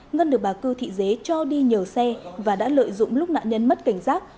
ngân được bà cư thị dế cho đi nhờ xe và đã lợi dụng lúc nạn nhân mất cảnh giác